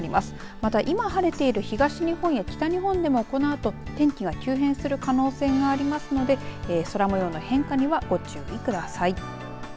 また、今晴れている東日本や北日本でもこのあと天気が急変する可能性がありますので空もようの変化にはご注意ください。